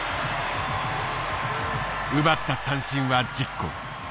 奪った三振は１０個。